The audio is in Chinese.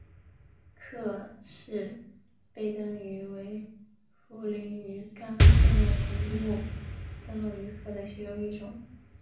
克氏背灯鱼为辐鳍鱼纲灯笼鱼目灯笼鱼科的其中一种。